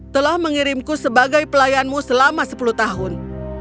telah mengirimku sebagai pelayanmu selama sepuluh tahun